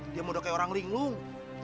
dia mau pakai orang linglung